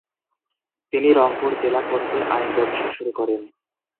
তিনি রংপুর জেলা কোর্টে আইন ব্যবসা শুরু করেন।